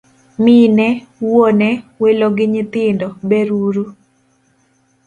Mine, wuone, welo gi nyithindo ber uru?